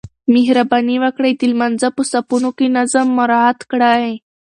مهرباني وکړئ د لمانځه په صفونو کې نظم مراعات کړئ.